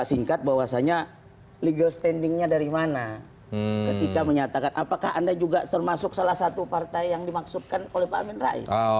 singkat bahwasanya legal standingnya dari mana ketika menyatakan apakah anda juga termasuk salah satu partai yang dimaksudkan oleh pak amin rais